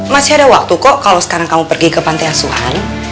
masih ada waktu kok kalau sekarang kamu pergi ke pantai asuhan